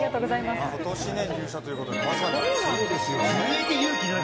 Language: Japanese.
ことし入社ということで、まさに。